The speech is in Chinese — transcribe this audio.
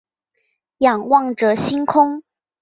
仰望着星空